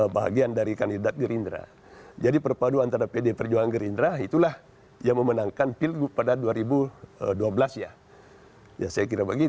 buat pengambilan untuk menghadapkan akan pertidangannya friday